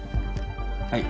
はい。